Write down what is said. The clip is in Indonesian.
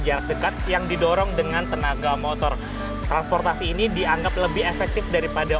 jarak dekat yang didorong dengan tenaga motor transportasi ini dianggap lebih efektif daripada